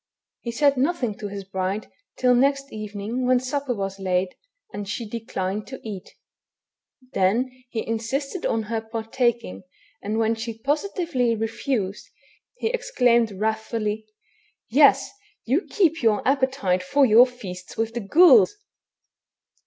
He said nothing to his bride till next evening when supper was laid, and she declined to eat ; then he in sisted on her partaking, and when she positively refused, he exclaimed wrathfully, —" Yes, you keep your appetite for your feast with the ghouls